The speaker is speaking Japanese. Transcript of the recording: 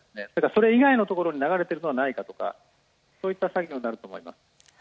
それ以外のところに流れていることはないかとかそういった作業になると思います。